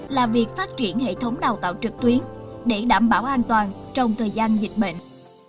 là việc phát triển hệ thống đào tạo trực tuyến để đảm bảo an toàn trong thời gian dịch bệnh